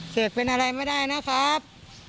เสกเป็นอะไรไม่ได้นะครับ